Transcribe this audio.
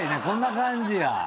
こんな感じや。